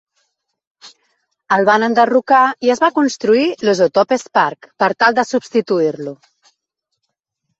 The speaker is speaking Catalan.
El van enderrocar i es va construir l'Isotopes Park per tal de substituir-lo.